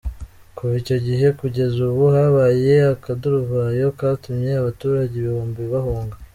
Kuva icyo gihe kugeza ubu habaye akaduruvayo katumye abaturage ibihumbi bahunga.